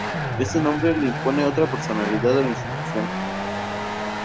Este nombre le impone otra personalidad a la institución.